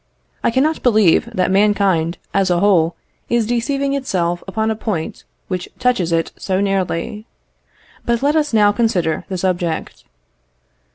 I cannot believe that mankind, as a whole, is deceiving itself upon a point which touches it so nearly. But let us now consider the subject.